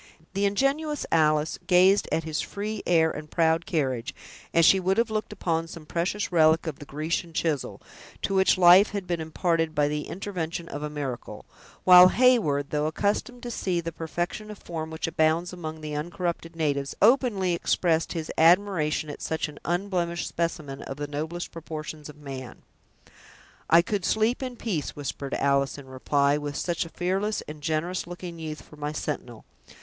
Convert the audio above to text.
The ingenuous Alice gazed at his free air and proud carriage, as she would have looked upon some precious relic of the Grecian chisel, to which life had been imparted by the intervention of a miracle; while Heyward, though accustomed to see the perfection of form which abounds among the uncorrupted natives, openly expressed his admiration at such an unblemished specimen of the noblest proportions of man. "I could sleep in peace," whispered Alice, in reply, "with such a fearless and generous looking youth for my sentinel.